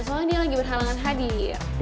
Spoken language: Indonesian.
soalnya dia lagi berhalangan hadir